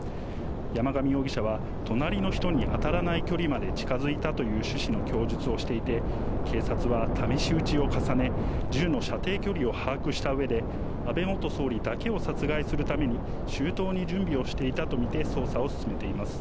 山上容疑者は、隣の人に当たらない距離まで近づいたという趣旨の供述をしていて、警察は、試し撃ちを重ね、銃の射程距離を把握したうえで、安倍元総理だけを殺害するために、周到に準備をしていたと見て捜査を進めています。